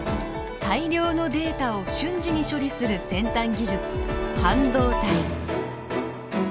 大量のデータを瞬時に処理する先端技術半導体。